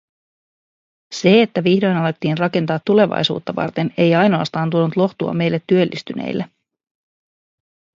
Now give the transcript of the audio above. Se, että vihdoin alettiin rakentaa tulevaisuutta varten, ei ainoastaan tuonut lohtua meille työllistyneille.